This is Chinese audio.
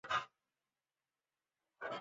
而炮台两旁则建有印度建筑特色的哨房。